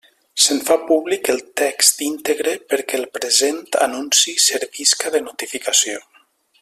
Se'n fa públic el text íntegre perquè el present anunci servisca de notificació.